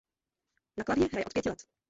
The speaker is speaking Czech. Na klavír hraje od pěti let.